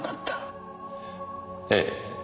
ええ。